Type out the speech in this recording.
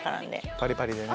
パリパリでね。